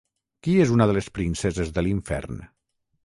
Qui és una de les princeses de l'infern?